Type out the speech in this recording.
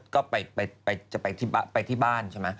ก็ไปที่บ้านใช่ไหม